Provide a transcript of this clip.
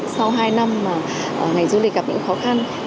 sau hai năm mà ngành du lịch gặp những khó khăn